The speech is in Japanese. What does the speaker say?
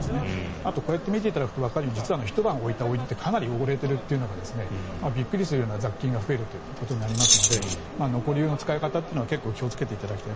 あと、こうやって見ていただくとわかるように実はひと晩おいたお湯ってかなり汚れているというのがびっくりするほど雑菌が増えることになりますので残り湯の使い方というのは気をつけていただきたい。